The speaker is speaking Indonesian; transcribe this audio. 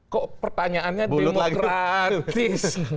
kok pertanyaannya demokratis